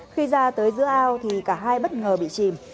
khi ra tới giữa ao thì cả hai bất ngờ bị chìm